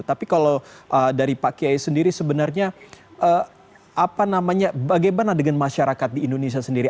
tapi kalau dari pak kiai sendiri sebenarnya apa namanya bagaimana dengan masyarakat di indonesia sendiri